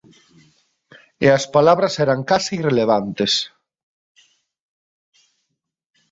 E as palabras eran case irrelevantes».